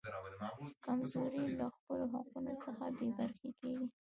کمزورو له خپلو حقونو څخه بې برخې کیږي.